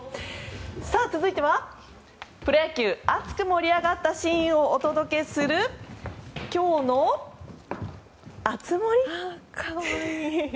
続いてはプロ野球の熱く盛り上がったシーンをお届けする今日の熱盛。